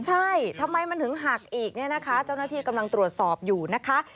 ใช่ทำไมมันถึงหักอีกเนี่ยนะคะเจ้าหน้าที่กำลังตรวจสอบอยู่นะคะ